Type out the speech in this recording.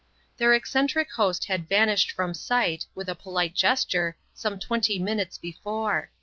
Their eccentric host had vanished from sight, with a polite gesture, some twenty minutes before.